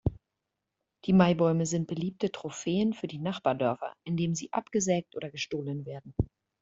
Die Maibäume sind beliebte Trophäen für die Nachbardörfer, indem sie abgesägt oder gestohlen werden.